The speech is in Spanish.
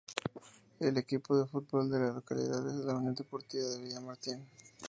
El equipo de fútbol de la localidad es la Unión Deportiva Villamartín.